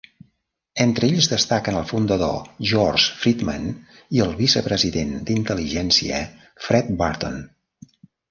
Entre ells destaquen el fundador George Friedman i el vicepresident d'intel·ligència Fred Burton.